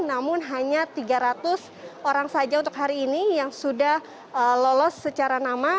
namun hanya tiga ratus orang saja untuk hari ini yang sudah lolos secara nama